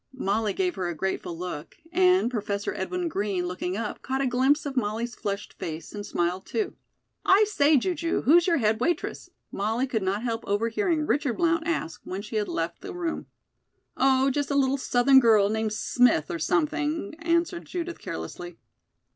Molly gave her a grateful look, and Professor Edwin Green, looking up, caught a glimpse of Molly's flushed face, and smiled, too. "I say, Ju ju, who's your head waitress?" Molly could not help overhearing Richard Blount ask when she had left the room. "Oh, just a little Southern girl named Smith, or something," answered Judith carelessly.